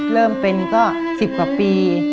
เริ่มเป็นก็๑๐กว่าปี